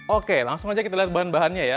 oke langsung aja kita lihat bahan bahannya ya